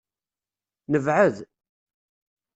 Nebɛed.